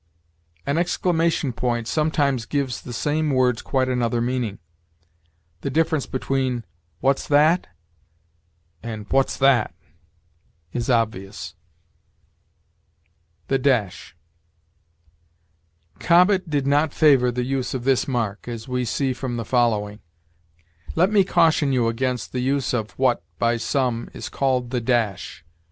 An exclamation point sometimes gives the same words quite another meaning. The difference between "What's that?" and "What's that!" is obvious. THE DASH. Cobbett did not favor the use of this mark, as we see from the following: "Let me caution you against the use of what, by some, is called the dash.